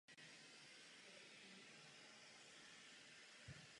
Dále posiloval exportní orientaci závodu.